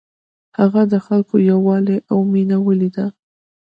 هغه د خلکو یووالی او مینه ولیده.